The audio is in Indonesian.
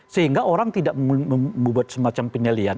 sehingga orang tidak membuat semacam penyeliaan